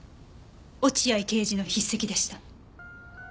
落合刑事の筆跡でした。